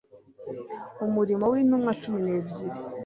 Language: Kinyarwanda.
Umurimo w'intuwa cumi n'ebyiri,